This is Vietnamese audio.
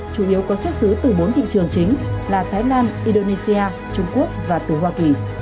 chủ yếu có xuất xứ từ bốn thị trường chính là thái lan indonesia trung quốc và từ hoa kỳ